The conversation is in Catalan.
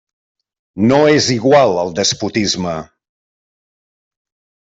No és igual el despotisme.